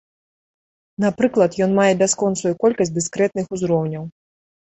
Напрыклад, ён мае бясконцую колькасць дыскрэтных узроўняў.